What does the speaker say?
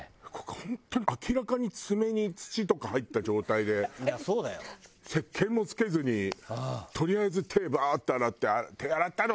本当に明らかに爪に土とか入った状態でせっけんも付けずにとりあえず手バーッて洗って「手洗ったの？」